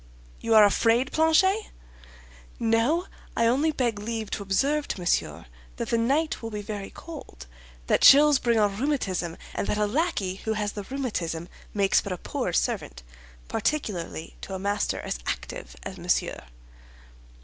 "You are afraid, Planchet?" "No; I only beg leave to observe to Monsieur that the night will be very cold, that chills bring on rheumatism, and that a lackey who has the rheumatism makes but a poor servant, particularly to a master as active as Monsieur."